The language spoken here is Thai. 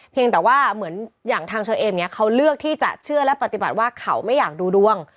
แต่ว่าเหมือนอย่างทางเชอเอมเนี่ยเขาเลือกที่จะเชื่อและปฏิบัติว่าเขาไม่อยากดูดวง